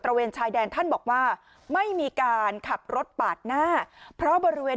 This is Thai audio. เวนชายแดนท่านบอกว่าไม่มีการขับรถปาดหน้าเพราะบริเวณ